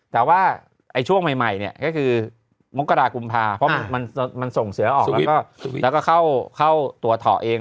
แต่ว่าช่วงใหม่เนี่ยก็คือมกรากุมภาเพราะมันส่งเสือออกแล้วก็เข้าตัวเถาะเอง